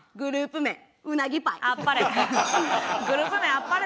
あっぱれ！